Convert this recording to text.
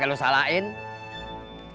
kemarin saya ketahuan pak haji